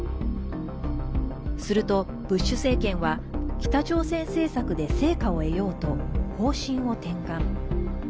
すると、ブッシュ政権は北朝鮮政策で成果を得ようと方針を転換。